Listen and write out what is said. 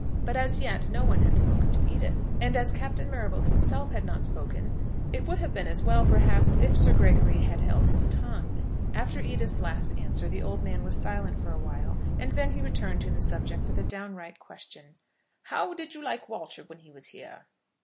But as yet no one had spoken to Edith, and as Captain Marrable himself had not spoken, it would have been as well, perhaps, if Sir Gregory had held his tongue. After Edith's last answer the old man was silent for awhile, and then he returned to the subject with a downright question, "How did you like Walter when he was here?"